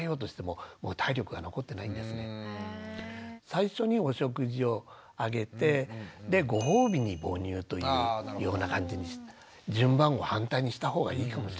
最初にお食事をあげてでご褒美に母乳というような感じに順番を反対にしたほうがいいかもしれません。